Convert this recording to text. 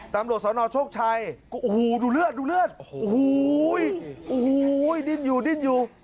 ตำรวจสนโชคชัยก็โอ้โหดูเลือดดูเลือดโอ้โหดิ้นอยู่ดิ้นอยู่